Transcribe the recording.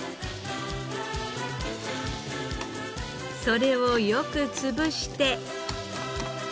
それをよく潰して。